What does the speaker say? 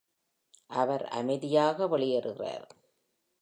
அவர் அமைதியாக வெளியேறுகிறார்.